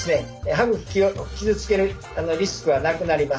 歯茎を傷つけるリスクはなくなります。